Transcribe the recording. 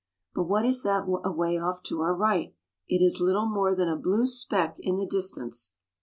But what is that away off to our right? It is little more than a blue speck in the distance.